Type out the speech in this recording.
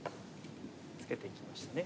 ツケていきましたね。